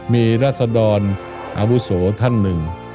มีรัศดรอาวุโสท่านหนึ่ง